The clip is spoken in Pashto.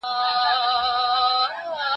زه اوږده وخت د تکړښت لپاره ځم.